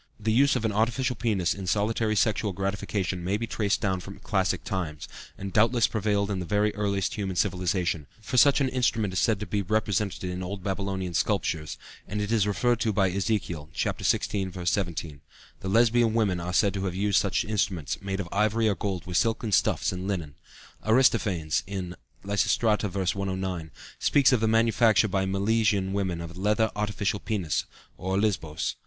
The use of an artificial penis in solitary sexual gratification may be traced down from classic times, and doubtless prevailed in the very earliest human civilization, for such an instrument is said to be represented in old Babylonian sculptures, and it is referred to by Ezekiel (Ch. XVI. v. 17). The Lesbian women are said to have used such instruments, made of ivory or gold with silken stuffs and linen. Aristophanes (Lysistrata, v. 109) speaks of the manufacture by the Milesian women of a leather artificial penis, or olisbos.